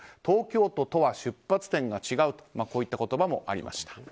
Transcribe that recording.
東京都とは出発点が違うとこういった言葉もありました。